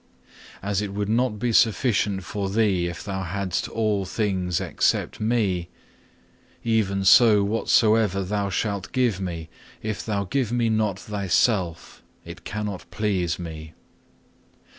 2. As it would not be sufficient for thee if thou hadst all things except Me, even so whatsoever thou shalt give Me, if thou give Me not thyself, it cannot please Me.